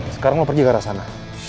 sekarang mau pergi ke arah sana